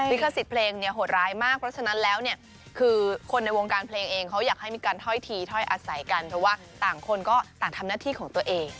ขสิทธิ์เพลงเนี่ยโหดร้ายมากเพราะฉะนั้นแล้วเนี่ยคือคนในวงการเพลงเองเขาอยากให้มีการถ้อยทีถ้อยอาศัยกันเพราะว่าต่างคนก็ต่างทำหน้าที่ของตัวเอง